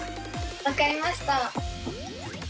分かりました。